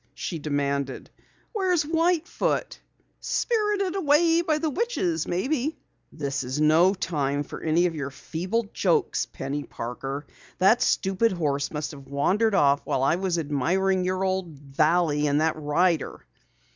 she demanded. "Where's White Foot?" "Spirited away by the witches maybe." "This is no time for any of your feeble jokes, Penny Parker! That stupid horse must have wandered off while I was admiring your old valley and that rider!"